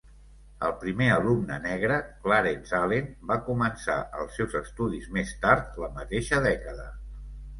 El primer alumne negre, Clarence Allen, va començar els seus estudis més tard la mateixa dècada.